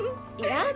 やだ